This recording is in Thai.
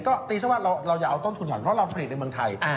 ก็ตีชะวัดเราเราจะเอาต้นทุนหน่อยเพราะเราผลิตในเมืองไทยอ่า